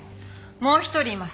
もう一人います。